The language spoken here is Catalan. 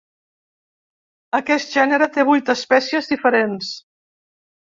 Aquest gènere té vuit espècies diferents.